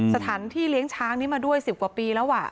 สถานที่เลี้ยงช้างนี้มาด้วย๑๐กว่าปีแล้ว